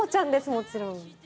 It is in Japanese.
もちろん。